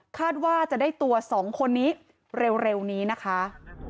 คาดว่าจะได้ตัว๒คนนี้เร็วนี้นะคะ